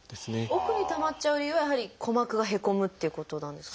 奥にたまっちゃう理由はやはり鼓膜がへこむっていうことなんですか？